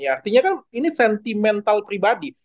artinya kan ini sentimental pribadi